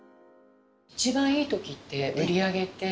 一番いいときって、売り上げって？